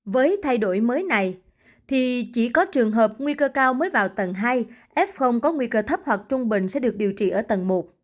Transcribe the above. với thay đổi mới này thì chỉ có trường hợp nguy cơ cao mới vào tầng hai f có nguy cơ thấp hoặc trung bình sẽ được điều trị ở tầng một